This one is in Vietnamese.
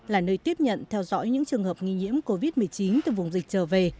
là nơi tiếp nhận theo dõi những trường hợp nghi nhiễm covid một mươi chín từ vùng dịch trở về